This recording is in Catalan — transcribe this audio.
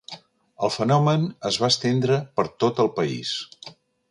El fenomen es va estendre per tot el país.